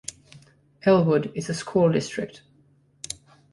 Elwood is a School District.